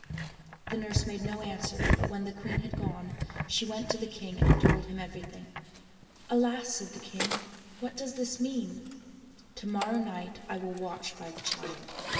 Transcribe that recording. The nurse made no answer, but when the queen had gone she went to the king and told him everything. "Alas !" said the king, " what does this mean ? To morrow night I will watch by the child."